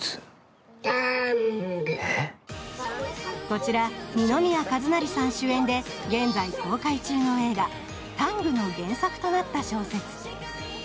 こちら二宮和也さん主演で現在公開中の映画「ＴＡＮＧタング」の原作となった小説。